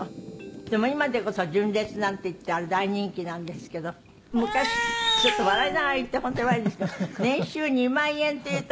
でも今でこそ純烈なんていってあれ大人気なんですけど昔ちょっと笑いながら言って本当に悪いんですけど年収２万円っていう時。